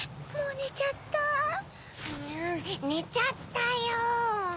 ねちゃったよ！